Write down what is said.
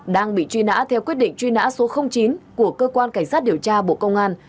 đang bị truy nã theo quyết định truy nã số chín của cơ quan cảnh sát điều tra bộ công an